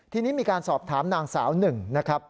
ทีนี้มีการสอบถามนางสาวหนึ่งนะครับ